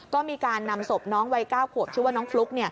ก็มีการนำศพน้องวัย๙ขวบชื่อว่าน้องฟลุ๊ก